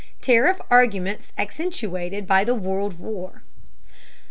TARIFF ARGUMENTS ACCENTUATED BY THE WORLD WAR.